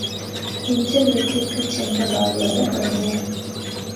உஞ்சவிருத்திக்குச் சென்ற பாகவதர் வந்தார்.